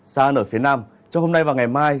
xa nở phía nam trong hôm nay và ngày mai